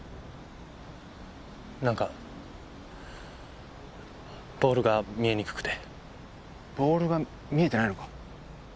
なんかボールが見えにくくてボールが見えてないのか？